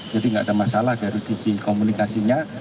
jadi tidak ada masalah dari sisi komunikasinya